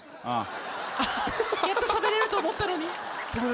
やっとしゃべれると思ったのに。